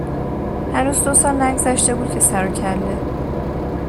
هنوز دوسال نگذشته بود که سر و کله